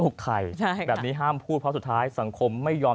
ใครแบบนี้ห้ามพูดเพราะสุดท้ายสังคมไม่ยอม